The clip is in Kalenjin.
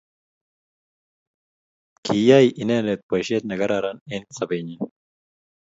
Kiyai inendet Boisheet ne kararan eng' sobet'nyi